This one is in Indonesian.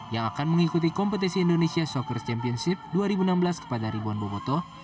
yang akan mengikuti kompetisi indonesia soccer championship dua ribu enam belas kepada ribuan boboto